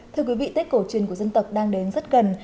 thưa quý vị tết cổ truyền của dân tộc đang đến rất gần